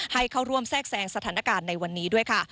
ให้เข้าร่วมแทรกแซงสถานการณ์ในวันนี้ด้วยค่ะ